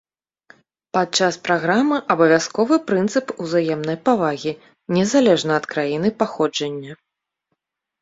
Падчас праграмы абавязковы прынцып узаемнай павагі, незалежна ад краіны паходжання.